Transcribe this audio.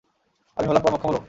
আমি হলাম কর্মক্ষম লোক!